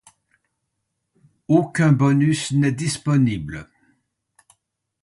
Aucun bonus n'est disponible.